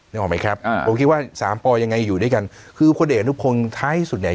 ออกไหมครับอ่าผมคิดว่าสามปอยังไงอยู่ด้วยกันคือพลเอกอนุพงศ์ท้ายที่สุดเนี่ย